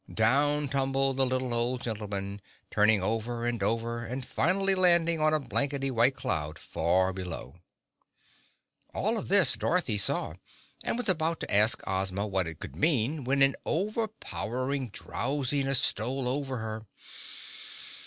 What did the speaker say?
Down tumbled the little old gentleman, turning over and over, and finally landing on a blankety white cloud far below. All of this Dorothy saw, and was about to ask Ozma what it could mean when an overpowering drowsiness stole over her.